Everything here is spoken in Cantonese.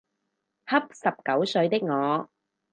恰十九歲的我